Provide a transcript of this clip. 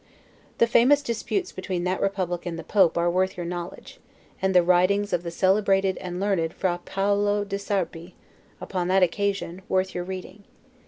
The famous disputes between that republic and the Pope are worth your knowledge; and the writings of the celebrated and learned Fra Paolo di Sarpi, upon that occasion, worth your reading.